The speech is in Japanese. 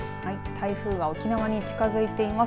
台風が沖縄に近づいています。